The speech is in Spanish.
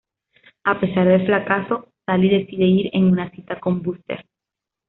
A pesar del fracaso, Sally decide ir en una cita con Buster.